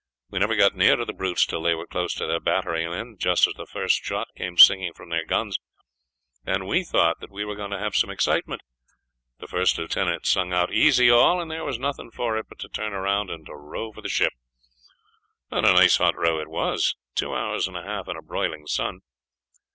"We never got near the brutes till they were close to their battery, and then just as the first shot came singing from their guns, and we thought that we were going to have some excitement, the first lieutenant sung out 'Easy all,' and there was nothing for it but to turn round and to row for the ship, and a nice hot row it was two hours and a half in a broiling sun.